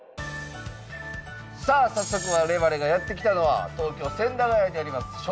さあ早速我々がやって来たのは東京・千駄ヶ谷にあります